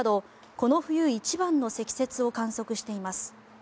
この冬一番の積雪を観測しています。